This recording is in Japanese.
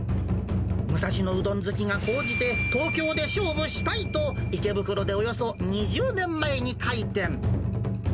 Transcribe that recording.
武蔵野うどん好きが高じて、東京で勝負したいと、池袋でおよそ２０年前に開店。